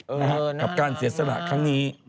เออน่ารักมากกับการเสียสละครั้งนี้